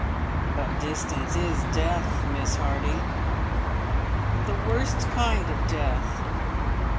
"But distance is death, Miss Harding! The worst kind of death.